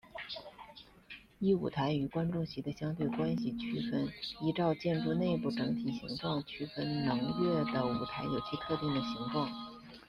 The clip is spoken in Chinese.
依舞台与观众席的相对关系区分依照建筑内部整体形状区分能乐的舞台有其特定的形状。